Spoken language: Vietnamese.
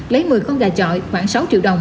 lấy một mươi con gà trọi khoảng sáu triệu đồng